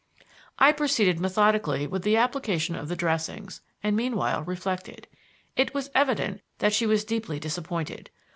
I proceeded methodically with the application of the dressings, and meanwhile reflected. It was evident that she was deeply disappointed.